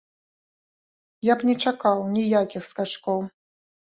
Я б не чакаў ніякіх скачкоў.